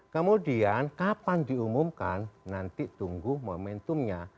kemudian kapan diumumkan nanti tunggu momentumnya